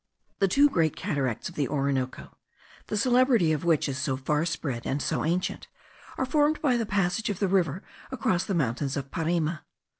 The two great cataracts of the Orinoco, the celebrity of which is so far spread and so ancient, are formed by the passage of the river across the mountains of Parima.